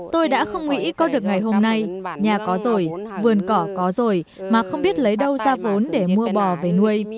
tôi đã không nghĩ có được ngày hôm nay nhà có rồi vườn cỏ có rồi mà không biết lấy đâu ra vốn để mua bò về nuôi